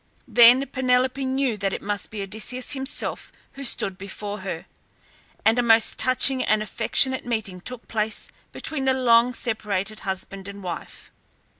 Then Penelope knew that it must be Odysseus himself who stood before her, and a most touching and affectionate meeting took place between the long separated husband and wife.